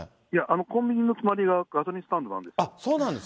コンビニの隣がガソリンスタンドなんです。